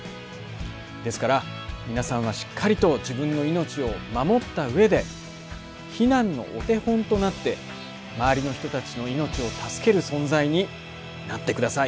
ですからみなさんはしっかりと自分の命を守った上で避難のお手本となって周りの人たちの命を助ける存在になってください。